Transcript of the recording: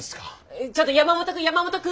ちょっと山本君山本君。